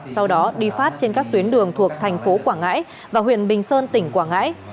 sau đó đi phát trên các tuyến đường thuộc thành phố quảng ngãi và huyện bình sơn tỉnh quảng ngãi